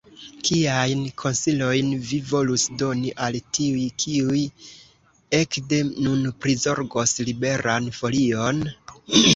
Kiajn konsilojn vi volus doni al tiuj, kiuj ekde nun prizorgos Liberan Folion?